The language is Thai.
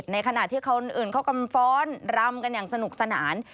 ในขณะที่คนอื่นเขากำฟ้อนรำกันอย่างสนุกสนาน